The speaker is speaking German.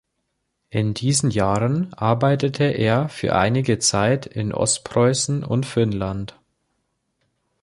In diesen Jahren arbeitete er für einige Zeit in Ostpreußen und Finnland.